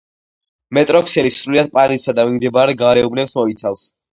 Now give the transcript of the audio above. მეტროქსელი სრულიად პარიზსა და მიმდებარე გარეუბნებს მოიცავს.